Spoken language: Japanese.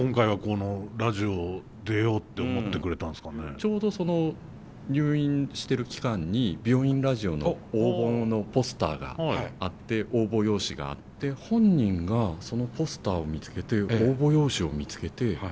ちょうどその入院してる期間に「病院ラジオ」の応募のポスターがあって応募用紙があって本人がそのポスターを見つけて応募用紙を見つけて書きたいと。